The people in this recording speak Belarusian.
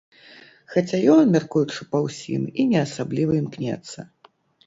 Хаця ён, мяркуючы па ўсім, і не асабліва імкнецца.